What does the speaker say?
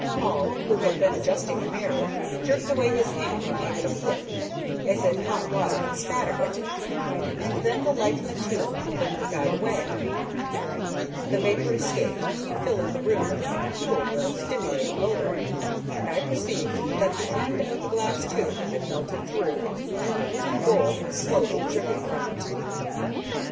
Hall, who had been adjusting the mirror, jerked away his hand and gave it a flip, as if hot water had spattered it, and then the light in the tube quickly died away, the vapor escaped, filling the room with a peculiar stimulating odor, and I perceived that the end of the glass tube had been melted through, and the molten gold was slowly dripping from it.